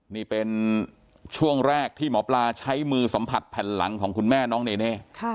นี่เป็นช่วงแรกที่หมอปลาใช้มือสัมผัสแผ่นหลังของคุณแม่น้องเนเน่